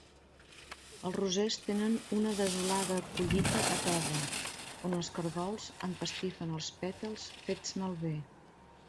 Els rosers tenen una desolada collita a terra, on els caragols empastifen els pètals fets malbé.